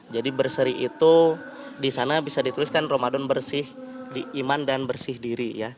jadi berseri itu di sana bisa dituliskan ramadan bersih di iman dan bersih diri ya